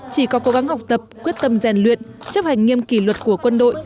chỉ có cố gắng học tập quyết tâm rèn luyện chấp hành nghiêm kỷ luật của quân đội